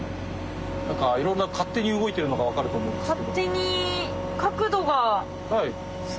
何かいろんな勝手に動いてるのが分かると思うんですけど。